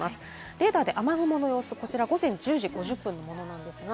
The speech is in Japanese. レーダーで雨雲の様子、午前１０時５０分のものです。